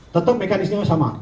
tetap mekanisnya sama